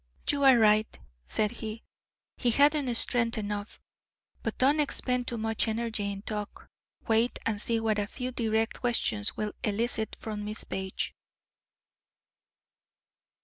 "You are right," said he; "he hadn't strength enough. But don't expend too much energy in talk. Wait and see what a few direct questions will elicit from Miss Page."